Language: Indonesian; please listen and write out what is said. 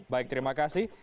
baik terima kasih